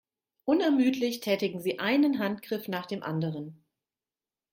Unermüdlich tätigen sie einen Handgriff nach dem anderen.